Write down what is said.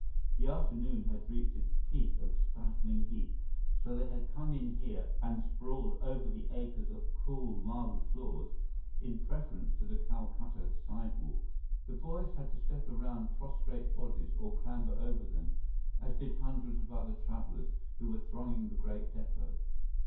The afternoon had reached its peak of stifling heat, so they had come in here and sprawled over the acres of cool marble floors in preference to the Calcutta sidewalks. The boys had to step around prostrate bodies or clamber over them, as did hundreds of other travelers who were thronging the great depot.